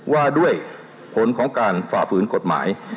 ว่าด้วยผลของการฝ่าฝืนกฎหมาย